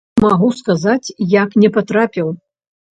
Магу сказаць, як не патрапіў.